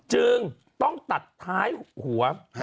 จึงต้องตัดท้ายหัว